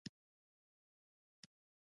د تعلیم ارزښت ټولنه لوړوي.